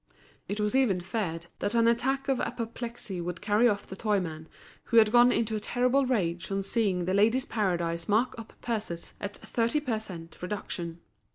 It was even feared that an attack of apoplexy would carry off the toyman, who had gone into a terrible rage on seeing The Ladies' Paradise mark up purses at thirty per cent. reduction.